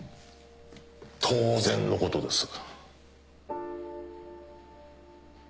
当然のことです。